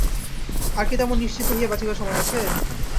আর কি তেমন নিশ্চিন্ত হইয়া বাঁচিবার সময় আছে?